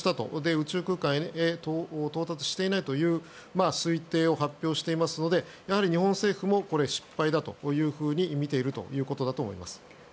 宇宙空間へ到達していないという推定を発表していますのでやはり日本政府もこれは失敗だと見ているということだと思います。